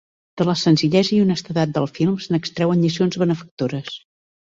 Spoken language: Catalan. De la senzillesa i honestedat del film se n'extreuen lliçons benefactores.